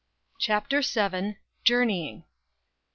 CHAPTER VII. JOURNEYING.